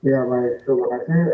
ya baik terima kasih